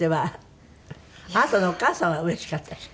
あなたのお母様はうれしかったでしょ？